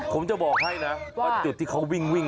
ผมจะบอกให้นะว่าจุดที่เขาวิ่ง